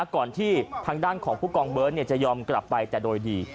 ก่อนที่ทางด้านของผู้กองเบิร์ตจะยอมกลับไปแต่โดยดี